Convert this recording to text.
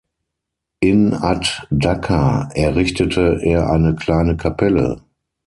In ad-Dakka errichtete er eine kleine Kapelle.